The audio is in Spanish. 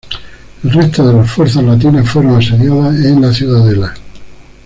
El resto de las fuerzas latinas fueron asediadas en la ciudadela.